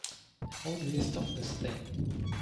How do you stop this thing?